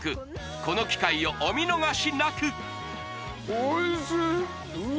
この機会をお見逃しなく！